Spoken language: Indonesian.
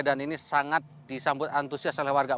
ini sangat disambut antusias oleh warga